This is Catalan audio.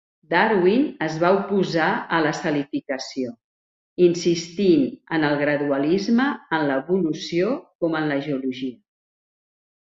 Darwin es va oposar a la salificació, insistint en el gradualisme en l'evolució com en la geologia.